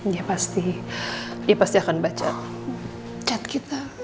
ya pasti dia pasti akan baca chat kita